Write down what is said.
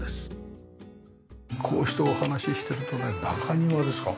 こうしてお話ししてるとね中庭ですか？